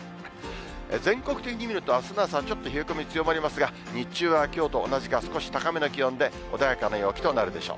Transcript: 全国的に見ると、あすの朝はちょっと冷え込み強まりますが、日中はきょうと同じか、少し高めの気温で、穏やかな陽気となるでしょう。